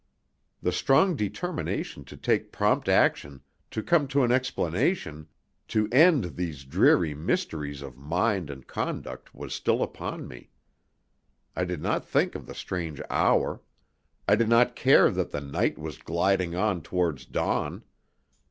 The strong determination to take prompt action, to come to an explanation, to end these dreary mysteries of mind and conduct, was still upon me. I did not think of the strange hour; I did not care that the night was gliding on towards dawn.